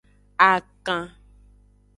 Akan.